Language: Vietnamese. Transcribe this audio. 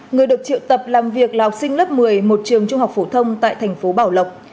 người được triệu tập làm việc là học sinh lớp một mươi một trường trung học phổ thông tại thành phố bảo lộc